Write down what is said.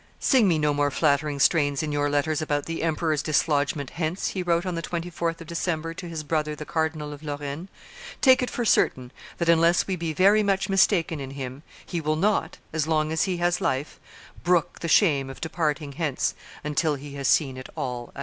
"Sing me no more flattering strains in your letters about the emperor's dislodgment hence," he wrote on the 24th of December to his brother the Cardinal of Lorraine; "take it for certain that unless we be very much mistaken in him, he will not, as long as he has life, brook the shame of departing hence until he has seen it all out."